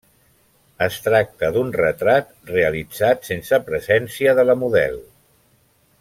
Es tracta d'un retrat realitzat sense presència de la model.